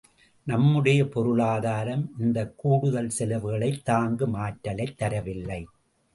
நம்முடைய பொருளாதாரம் இந்தக் கூடுதல் செலவுகளைத் தாங்கும் ஆற்றலைத் தரவில்லை.